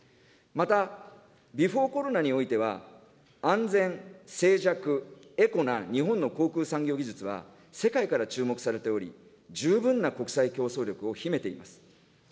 また、ビフォーコロナにおいては、安全、静寂、エコな日本の航空産業技術は、世界から注目されており、十分な国際競争力を秘めています。